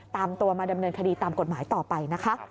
ตามตัวมาดำเนินคดีตามกฎหมายต่อไปนะคะ